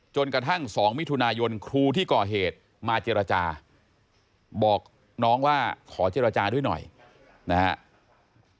กระทั่ง๒มิถุนายนครูที่ก่อเหตุมาเจรจาบอกน้องว่าขอเจรจาด้วยหน่อยนะครับ